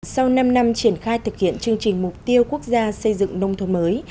sau năm năm triển khai thực hiện chương trình mục tiêu quốc gia xây dựng nông thôn mới